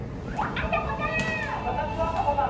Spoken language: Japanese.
あさこさん！